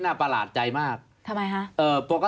ประหลาดใจมากทำไมคะ